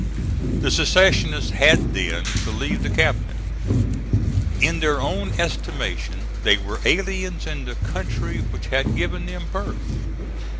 The secessionists had then to leave the cabinet. In their own estimation they were aliens in the country which had given them birth.